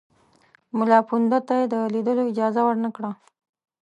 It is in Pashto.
مُلاپوونده ته د لیدلو اجازه ورنه کړه.